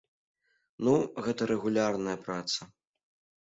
Ну, гэта рэгулярная праца.